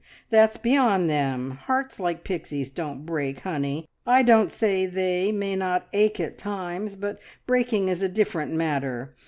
That's beyond them. Heart's like Pixie's don't break, Honey! I don't say they, may not ache at times, but breaking is a different matter.